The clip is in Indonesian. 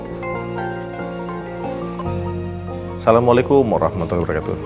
assalamualaikum warahmatullahi wabarakatuh